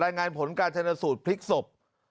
รายงานผลการชนสูตรพลิกศพ